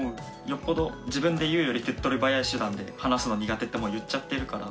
よっぽど自分で言うより手っとり早い手段で話すの苦手ってもう言っちゃってるから。